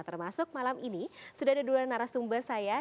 termasuk malam ini sudah ada dua narasumber saya